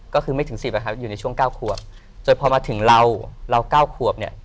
ก็คือไม่ถึง๑๐อะครับอยู่ในช่วง๙ขวบจนพอมาถึงเราเรา๙ขวบเนี่ย